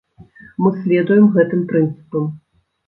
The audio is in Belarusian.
Мы следуем гэтым прынцыпам.